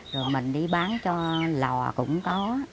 rồi mình đi bán cho lò cũng có